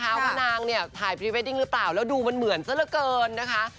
ว่านางเนี่ยถ่ายพรีเวดดิ้งหรือเปล่าแล้วดูมันเหมือนซะละเกินนะคะ